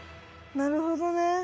なるほどね。